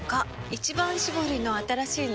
「一番搾り」の新しいの？